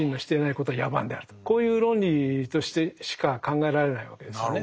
こういう論理としてしか考えられないわけですよね。